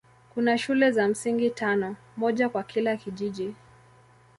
Kuna shule za msingi tano, moja kwa kila kijiji.